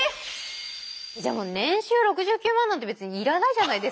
じゃあもう年収６９万なんて別に要らないじゃないですか